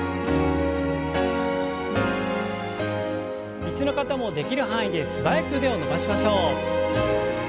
椅子の方もできる範囲で素早く腕を伸ばしましょう。